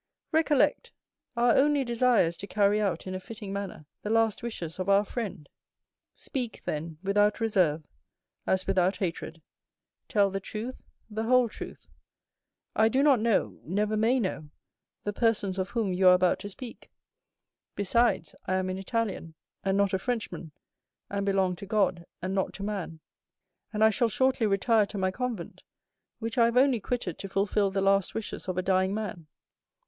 Recollect, our only desire is to carry out, in a fitting manner, the last wishes of our friend. Speak, then, without reserve, as without hatred; tell the truth, the whole truth; I do not know, never may know, the persons of whom you are about to speak; besides, I am an Italian, and not a Frenchman, and belong to God, and not to man, and I shall shortly retire to my convent, which I have only quitted to fulfil the last wishes of a dying man."